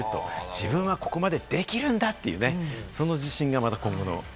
自分はここまでできるんだというね、その自信がまた。